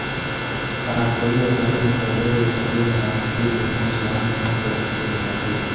Anatolia Tarimo tarehe ishirini na mbili mwezi wa nane mwaka elfu mbili na mbili